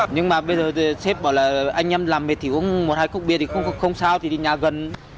nhưng mà bây giờ sếp bảo là anh em làm mệt thì uống một hai cốc bia thì không sao thì đi nhà gần